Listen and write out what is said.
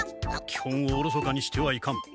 きほんをおろそかにしてはいかん。